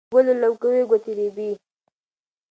یار مې د ګلو لو کوي او ګوتې رېبي.